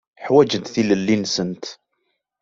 Ḥwaǧent tilelli-nsent.